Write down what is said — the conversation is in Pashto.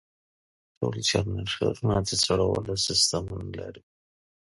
ټول جنریټرونه د سړولو سیستمونه لري.